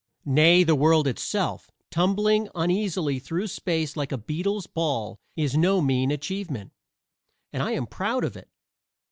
Nay, the world itself, tumbling uneasily through space like a beetle's ball, is no mean achievement, and I am proud of it.